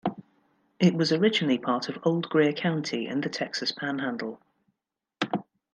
It was originally part of Old Greer County in the Texas panhandle.